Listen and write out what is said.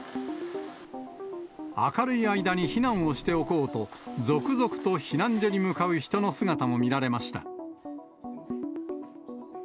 明るい間に避難をしておこうと、続々と避難所に向かう人の姿も見られました。